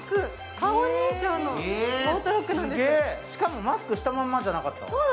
しかも、マスクしたまんまじゃなかった？